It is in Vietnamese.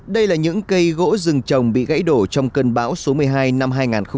đây là những cây gỗ rừng trồng bị gãy đổ trong cơn bão số một mươi hai năm hai nghìn một mươi bảy